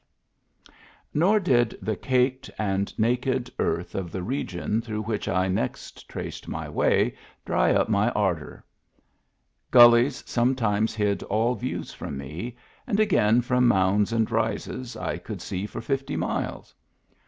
Digitized by Google THE GIFT HORSE 187 Nor did the caked and naked earth of the region through which I next traced my way dry up my ardor. Gullies sometimes hid all views from me, and again from mounds and rises I could see for fifty miles.